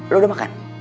lo udah makan